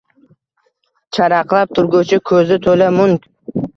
Charaqlab turguvchi ko’zi to’la mung…